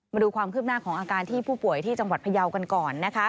มาดูความคืบหน้าของอาการที่ผู้ป่วยที่จังหวัดพยาวกันก่อนนะคะ